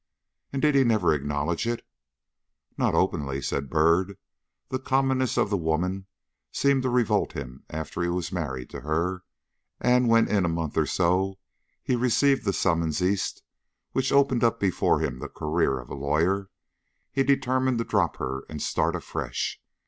"And did he never acknowledge it?" "Not openly," answered Byrd. "The commonness of the woman seemed to revolt him after he was married to her, and when in a month or so he received the summons East, which opened up before him the career of a lawyer, he determined to drop her and start afresh.